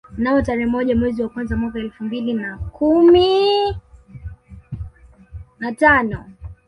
Mnamo tarehe moja mwezi wa kwanza mwaka elfu mbili na kumi na tano